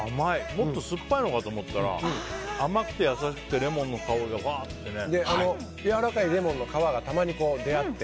もっと酸っぱいのかと思ったら甘くて、優しくてレモンの香りがやわらかいレモンの皮とたまに出会って。